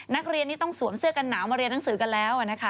นักเรียนนี่ต้องสวมเสื้อกันหนาวมาเรียนหนังสือกันแล้วนะคะ